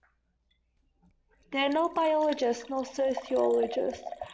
They are not biologists nor sociologists.